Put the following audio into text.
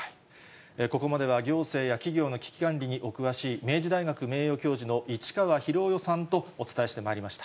ここまでは行政や企業の危機管理にお詳しい明治大学名誉教授の市川宏雄さんとお伝えしてまいりました。